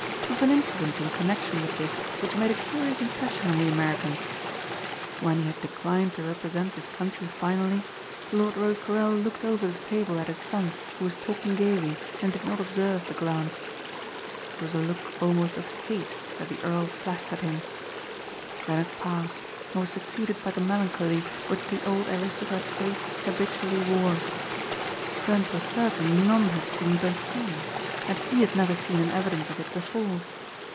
There was an incident in connection with this which made a curious impression on the American. When he had declined to represent his country finally, Lord Rosecarrel looked over the table at his son who was talking gaily and did not observe the glance. It was a look almost of hate that the earl flashed at him. Then it passed and was succeeded by the melancholy which the old aristocrat's face habitually wore. Trent was certain none had seen but he and he had never seen an evidence of it before.